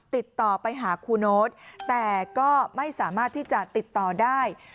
ติดต่อไปหาครูโน๊ตแต่ก็ไม่สามารถที่จะติดต่อได้